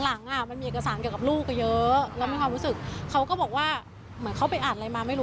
หลังอ่ะมันมีเอกสารเกี่ยวกับลูกเยอะเรามีความรู้สึกเขาก็บอกว่าเหมือนเขาไปอ่านอะไรมาไม่รู้